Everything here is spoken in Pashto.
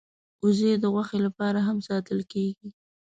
وزې د غوښې لپاره هم ساتل کېږي